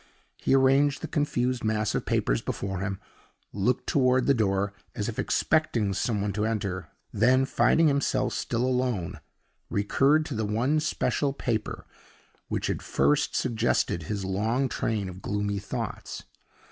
He arranged the confused mass of papers before him looked toward the door, as if expecting some one to enter then, finding himself still alone, recurred to the one special paper which had first suggested his long train of gloomy thoughts.